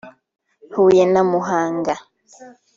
Huye na Muhanga